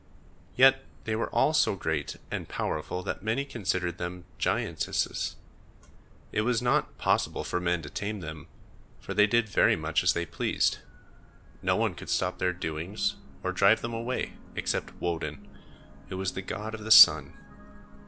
Yet they were all so great and powerful that many considered them giantesses. It was not possible for men to tame them, for they did very much as they pleased. No one could stop their doings or drive them away, except Woden, who was the god of the sun.